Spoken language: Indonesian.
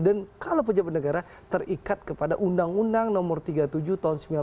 dan kalau pejabat negara terikat kepada undang undang nomor tiga puluh tujuh tahun dua ribu